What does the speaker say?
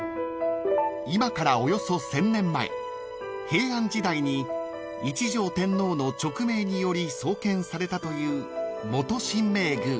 ［今からおよそ１，０００年前平安時代に一條天皇の勅命により創建されたという］